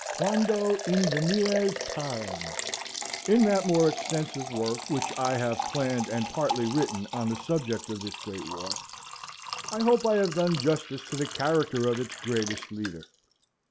Quando invenies parem? In that more extensive work, which I have planned and partly written on the subject of this great war, I hope I have done justice to the character of its greatest leader.